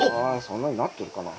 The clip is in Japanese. そんなになっとるかな？